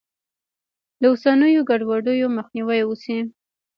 له اوسنیو ګډوډیو مخنیوی وشي.